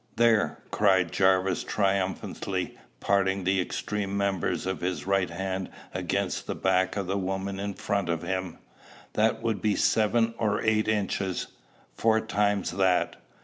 "There!" cried Jarvis triumphantly, parting the extreme members of his right hand against the back of the woman in front of him "that would be seven or eight inches! Four times that?